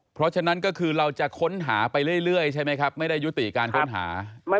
เพราะฉะนั้นก็คือเราจะค้นหาไปเรื่อยใช่ไหมครับไม่ได้ยุติการค้นหา